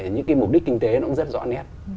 những cái mục đích kinh tế nó cũng rất rõ nét